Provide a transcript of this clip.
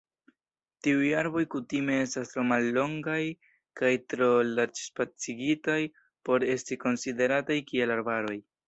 Tiuj arboj kutime estas tro mallongaj kaj tro larĝ-spacigitaj por esti konsiderataj kiel arbaroj.